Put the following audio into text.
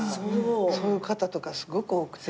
そういう方とかすごく多くて。